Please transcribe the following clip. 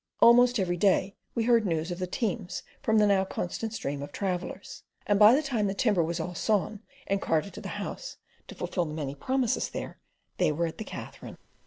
Almost every day we heard news of the teams from the now constant stream of travellers; and by the time the timber was all sawn and carted to the house to fulfil the many promises there, they were at the Katherine.